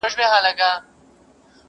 یو څه یاران یو څه غونچې ووینو،